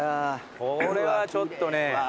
これはちょっとね